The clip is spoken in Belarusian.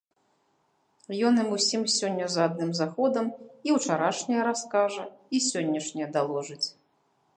Ён ім усім сёння за адным заходам і ўчарашняе раскажа, і сённяшняе даложыць.